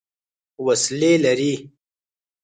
وسلې لري.